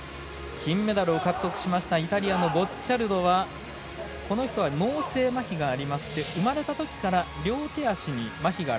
金メダルを獲得しましたイタリアのボッチャルドはこの人は脳性まひがありまして生まれたときから両手足にまひがある。